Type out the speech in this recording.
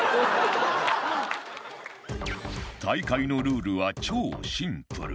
大会のルールは超シンプル